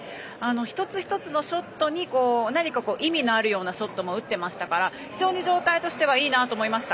一つ一つのショットに何か意味のあるようなショットも打ってましたから非常に状態としてはいいなと思いました。